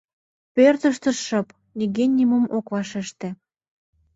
Пӧртыштӧ шып, нигӧ нимом ок вашеште